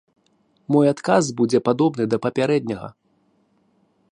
Мой адказ будзе падобны да папярэдняга.